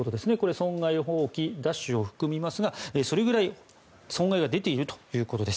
損害放棄、奪取を含みますがそれぐらい損害が出ているということです。